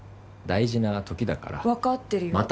大事な時だから。分かってるよ。